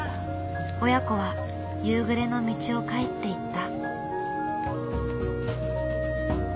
親子は夕暮れの道を帰っていった。